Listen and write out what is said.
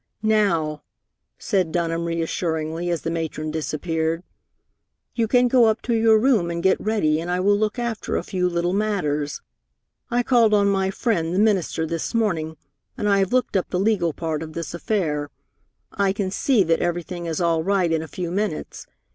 "Now," said Dunham reassuringly, as the matron disappeared, "you can go up to your room and get ready, and I will look after a few little matters. I called on my friend, the minister, this morning, and I have looked up the legal part of this affair. I can see that everything is all right in a few minutes.